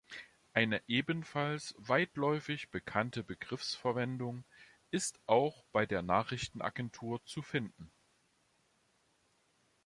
Eine ebenfalls weitläufig bekannte Begriffsverwendung ist auch bei der Nachrichtenagentur zu finden.